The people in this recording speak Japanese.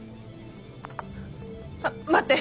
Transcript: あっ待って！